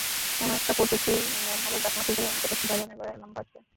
এমন একটা পদ্ধতি, ম্যানহোলের ঢাকনা খুলতে গেলেই নিকটস্থ দারোয়ানের ঘরে অ্যালার্ম বাজবে।